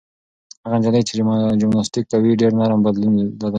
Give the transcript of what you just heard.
هغه نجلۍ چې جمناسټیک کوي ډېر نرم بدن لري.